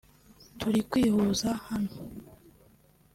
turi kwihuza hano